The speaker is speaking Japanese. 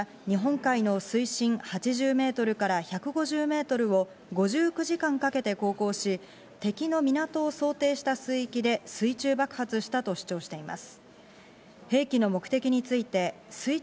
攻撃艇は日本海の水深８０メートルから１５０メートルを５９時間かけて航行し、敵の港を想定した水域で、水中爆発したと主張しています。